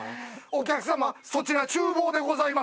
お客様そちら厨房でございます！